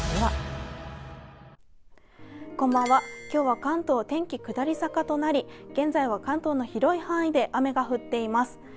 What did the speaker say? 今日は関東、天気が下り坂となり現在は関東の広い範囲で雨が降っています。